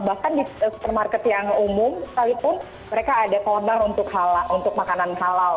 bahkan di supermarket yang umum sekalipun mereka ada korner untuk halal untuk makanan halal